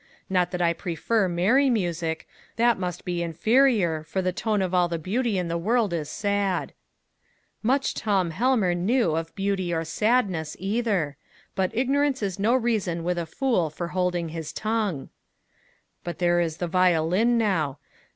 Not that I prefer merry music; that must be inferior, for the tone of all the beauty in the world is sad." Much Tom Helmer knew of beauty or sadness either! but ignorance is no reason with a fool for holding his tongue. "But there is the violin, now!